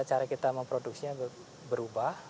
cara kita memproduksinya berubah